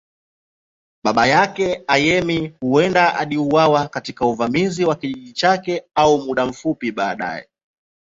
Baba yake, Ayemi, huenda aliuawa katika uvamizi wa kijiji chake au muda mfupi baadaye.